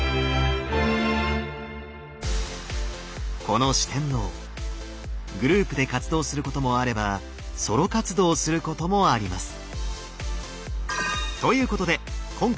この四天王グループで活動することもあればソロ活動することもあります。